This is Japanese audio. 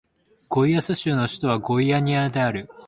ゴイアス州の州都はゴイアニアである